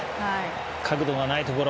角度がないところ